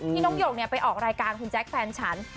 น้องหยกไปออกรายการคุณแจ๊คแฟนฉัน